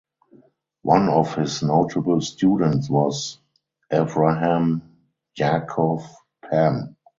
One of his notable students was Avraham Yaakov Pam.